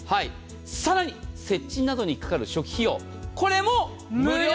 さらに設置等にかかる初期費用無料！